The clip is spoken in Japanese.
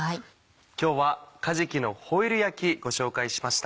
今日はかじきのホイル焼きご紹介しました。